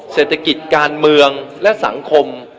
เศรษฐกิจการเมืองและสังคม